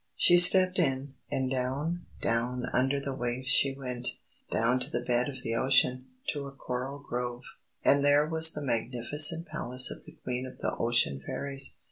She stepped in, and down, down, under the waves she went, down to the bed of the Ocean, to a coral grove. And there was the magnificent palace of the Queen of the Ocean Fairies.